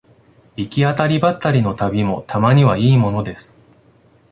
行き当たりばったりの旅もたまにはいいものです